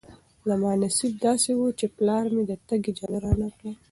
زما نصیب داسې و چې پلار مې د تګ اجازه رانه کړه.